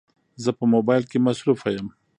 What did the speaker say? زه په موبایل کې مصروفه یم